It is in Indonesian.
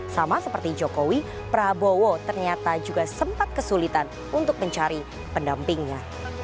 sama seperti jokowi prabowo ternyata juga sempat kesulitan untuk mencari pendampingnya